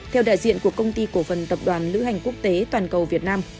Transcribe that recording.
theo đại diện của công ty cổ phần tập đoàn lữ hành quốc tế toàn cầu việt nam